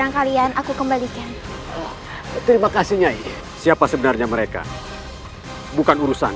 yang kalian aku kembalikan terima kasihnya siapa sebenarnya mereka bukan urusan